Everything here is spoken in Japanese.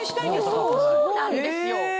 そうなんですよ。